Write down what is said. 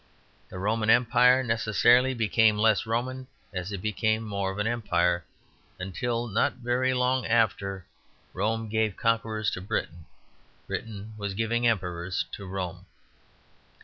The Roman Empire necessarily became less Roman as it became more of an Empire; until not very long after Rome gave conquerors to Britain, Britain was giving emperors to Rome.